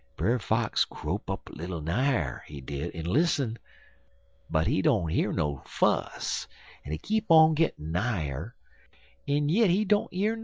"Brer Fox crope up little nigher, he did, en lissen, but he don't year no fuss, en he keep on gittin' nigher, en yit he don't year nuthin'.